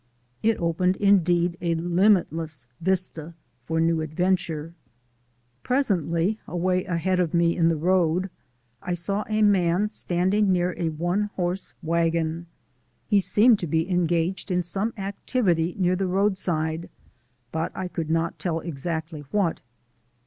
It opened indeed a limitless vista for new adventure. Presently, away ahead of me in the road, I saw a man standing near a one horse wagon. He seemed to be engaged in some activity near the roadside, but I could not tell exactly what.